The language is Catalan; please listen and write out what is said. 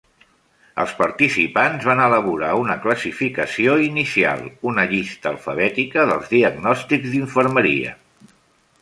Els participants van elaborar una classificació inicial, una llista alfabètica dels diagnòstics d'infermeria.